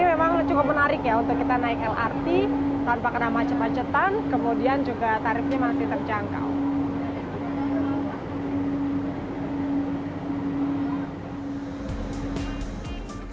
ini memang cukup menarik ya untuk kita naik lrt tanpa kena macet macetan kemudian juga tarifnya masih terjangkau